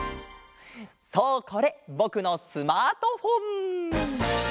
そうこれぼくのスマートフォン！